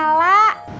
bu nur malah